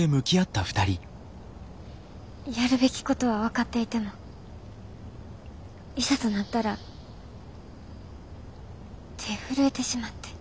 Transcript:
やるべきことは分かっていてもいざとなったら手震えてしまって。